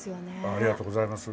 ありがとうございます。